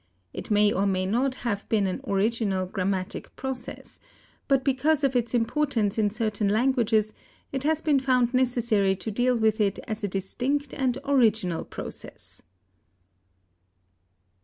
It may or may not have been an original grammatic process, but because of its importance in certain languages it has been found necessary to deal with it as a distinct and original process.